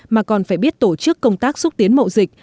mà còn phải biết tổ chức công tác xúc tiến mậu dịch